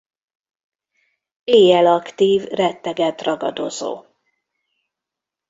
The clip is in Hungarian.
Éjjel aktív rettegett ragadozó.